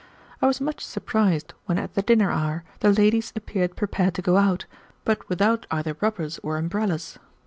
I was much surprised when at the dinner hour the ladies appeared prepared to go out, but without either rubbers or umbrellas.